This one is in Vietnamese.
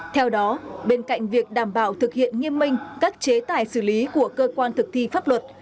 theo đó bên cạnh việc đảm bảo thực hiện nghiêm minh các chế tài xử lý của cơ quan thực thi pháp luật